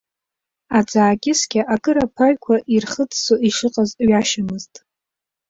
Аӡы аакьыскьа акыр аԥаҩқәа ирхыӡсо ишыҟаз ҩашьомызт.